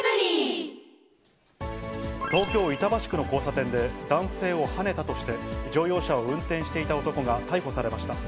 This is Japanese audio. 東京・板橋区の交差点で、男性をはねたとして、乗用車を運転していた男が逮捕されました。